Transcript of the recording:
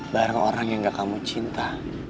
bareng orang yang gak kamu cinta